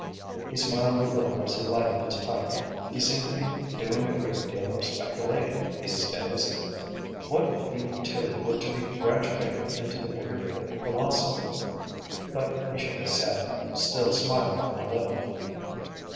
He smiled a little as he lighted his pipe. He seemed to be doing a great deal of speculating these days. What if he too were to be graduated into the bigger field of philosophy? But he shook his head, still smiling a little.